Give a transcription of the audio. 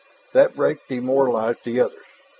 That break demoralized the others.